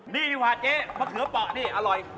นี่ดีกว่าเจ๊มะเขือเปาะนี่อร่อย